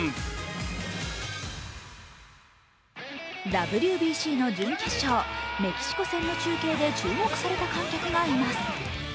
ＷＢＣの準決勝、メキシコ戦の中継で注目された観客がいます。